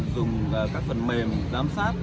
dùng các phần mềm giám sát